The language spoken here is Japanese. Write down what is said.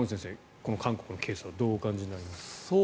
この韓国のケースはどうお感じになりますか？